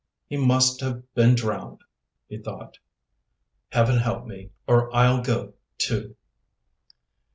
"He must have been drowned," he thought. "Heaven help me, or I'll go, too!"